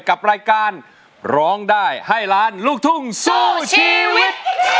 กับรายการร้องได้ให้ล้านลูกทุ่งสู้ชีวิต